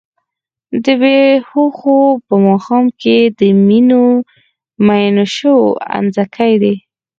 د بــــــې هــــــوښو په ماښام کي د مینوشو انځکی دی